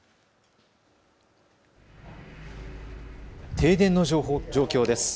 停電の状況です。